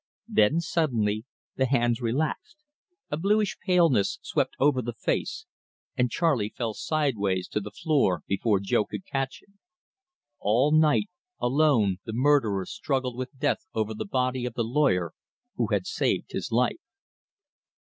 Then, suddenly, the hands relaxed, a bluish paleness swept over the face, and Charley fell sidewise to the floor before Jo could catch him. All night, alone, the murderer struggled with death over the body of the lawyer who had saved his life.